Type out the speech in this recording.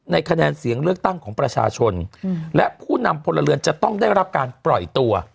คะแนนเสียงเลือกตั้งของประชาชนและผู้นำพลเรือนจะต้องได้รับการปล่อยตัว